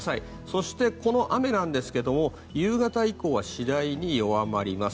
そして、この雨なんですが夕方以降は次第に弱まります。